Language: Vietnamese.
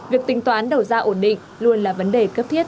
việc tính toán đầu ra ổn định luôn là vấn đề cấp thiết